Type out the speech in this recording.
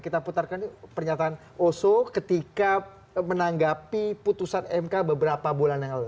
kita putarkan pernyataan oso ketika menanggapi putusan mk beberapa bulan yang lalu